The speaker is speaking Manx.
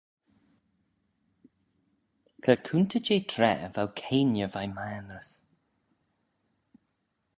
Cur coontey jeh traa v'ou keayney veih maynrys.